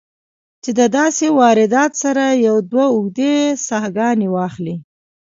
چې د داسې واردات سره يو دوه اوږدې ساهګانې واخلې